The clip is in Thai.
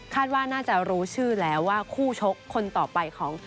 ว่าน่าจะรู้ชื่อแล้วว่าคู่ชกคนต่อไปของ